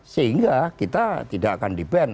sehingga kita tidak akan di ban